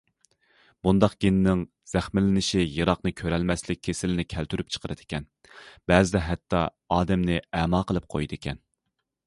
بۇنداق گېننىڭ زەخىملىنىشى يىراقنى كۆرەلمەسلىك كېسىلىنى كەلتۈرۈپ چىقىرىدىكەن، بەزىدە ھەتتا ئادەمنى ئەما قىلىپ قويىدىكەن.